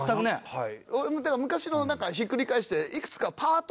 はい。